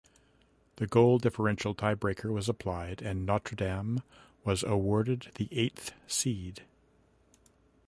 The goal differential tiebreaker was applied and Notre Dame was awarded the eighth seed.